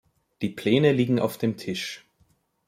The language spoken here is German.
Die Pläne liegen auf dem Tisch.